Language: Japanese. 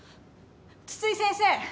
津々井先生